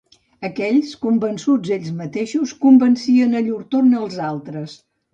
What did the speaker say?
Aquells, convençuts ells mateixos, convencien a llur torn els altres